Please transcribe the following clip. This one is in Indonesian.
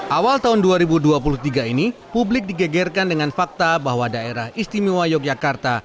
awal tahun dua ribu dua puluh tiga ini publik digegerkan dengan fakta bahwa daerah istimewa yogyakarta